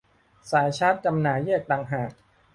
สายชาร์จจำหน่ายแยกต่างหาก